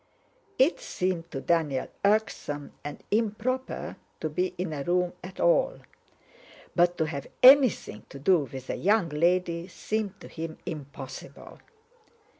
It seemed to Daniel irksome and improper to be in a room at all, but to have anything to do with a young lady seemed to him impossible.